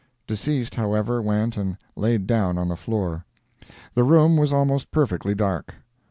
Deceased, however, went and laid down on the floor. The room was almost perfectly dark.